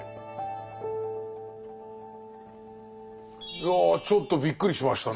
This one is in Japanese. いやちょっとびっくりしましたね。